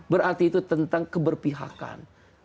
berarti itu tentang keberpihakan